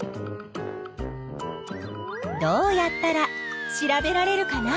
どうやったら調べられるかな？